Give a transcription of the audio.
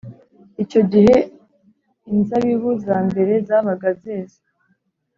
Icyo gihe inzabibu za mbere zabaga zeze